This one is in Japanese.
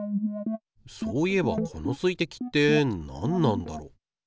そういえばこの水滴って何なんだろ。